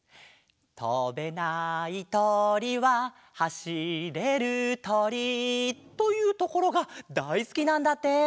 「とべないとりははしれるとり」というところがだいすきなんだって。